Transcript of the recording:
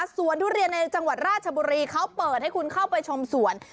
สวนทุเรียนในจังหวัดราชบุรีเขาเปิดให้คุณเข้าไปชมสวน